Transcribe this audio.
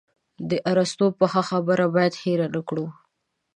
د ارسطو پخه خبره باید هېره نه کړو.